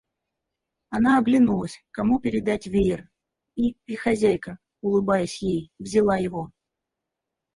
Она оглянулась, кому передать веер, и хозяйка, улыбаясь ей, взяла его.